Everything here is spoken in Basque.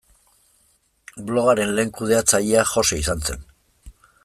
Blogaren lehen kudeatzailea Jose izan zen.